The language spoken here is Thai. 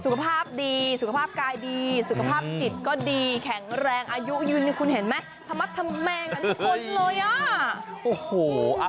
สุขภาพดีสุขภาพกายดีสุขภาพจิตก็ดีแข็งแรงอายุยืนนี่คุณเห็นไหมธรรมดธรรมแมงกันทุกคนเลยอ่ะโอ้โห